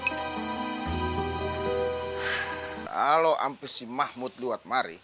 kalo sampe si mahmud luat mari